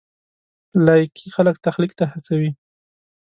لایکي خلک تخلیق ته هڅوي.